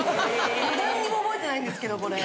何にも覚えてないんですけどこれ。